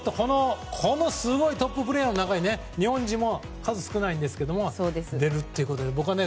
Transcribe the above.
すごいトッププレーヤーの中で日本人も数少ないんですけど出るってことでね。